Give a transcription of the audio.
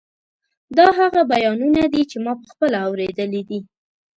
دا هغه بیانونه دي چې ما پخپله اورېدلي دي.